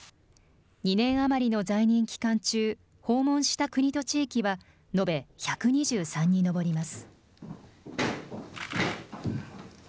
２年余りの在任期間中、訪問した国と地域は、延べ１２３に上ります。